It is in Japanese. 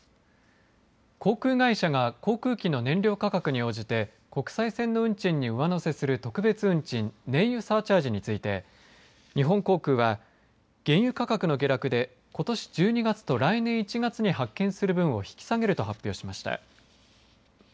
航空会社が航空機の燃料価格に応じて国際線の運賃に上乗せする特別運賃燃油サーチャージについて日本航空は原油価格の下落でことし１２月と来年１月に発券する分を引き下げると発表しました。